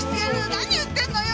何言ってるのよ